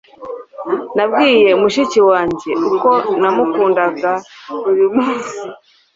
nabwiye mushiki wanjye uko namukundaga buri munsi